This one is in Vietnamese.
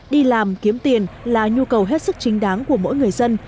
đi làm kiếm tiền là nhu cầu hết sức chính đáng của mỗi người dân